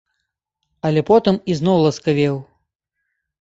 Але потым ізноў ласкавеў.